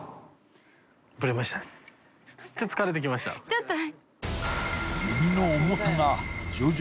ちょっと。